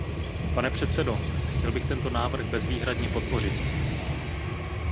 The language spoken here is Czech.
Pane předsedo, chtěl bych tento návrh bezvýhradně podpořit.